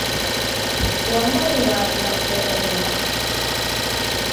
Quan va arribar la febre groga?